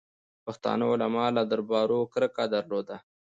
پښتانه علما له دربارو کرکه درلوده.